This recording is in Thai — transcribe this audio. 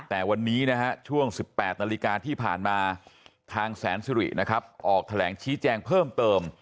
แต่วันนี้นะฮะช่วง๑๘นาฬิกาที่ผ่านมาทางแสนสิรินะครับออกแถลงชี้แจงเพิ่มเติม